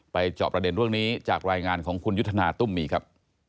จอบประเด็นเรื่องนี้จากรายงานของคุณยุทธนาตุ้มมีครับ